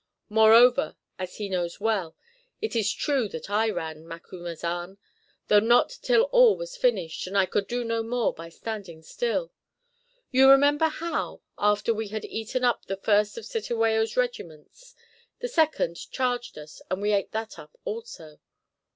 Moreover, as he knows well, it is true that I ran, Macumazahn, though not till all was finished and I could do no more by standing still. You remember how, after we had eaten up the first of Cetewayo's regiments, the second charged us and we ate that up also.